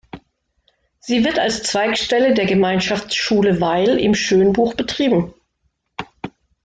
Sie wird als Zweigstelle der Gemeinschaftsschule Weil im Schönbuch betrieben.